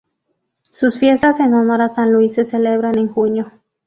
Sus fiestas en honor a San Luis se celebran en junio.